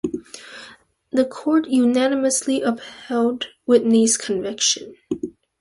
The Court unanimously upheld Whitney's conviction.